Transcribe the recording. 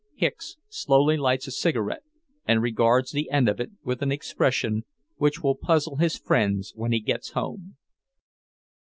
Hicks slowly lights a cigarette and regards the end of it with an expression which will puzzle his friends when he gets home.